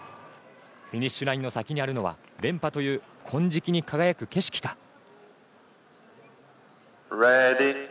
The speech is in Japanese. フィニッシュラインの先にあるのは連覇という金色に輝く景色か。